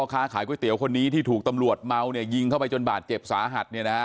ค้าขายก๋วยเตี๋ยวคนนี้ที่ถูกตำรวจเมาเนี่ยยิงเข้าไปจนบาดเจ็บสาหัส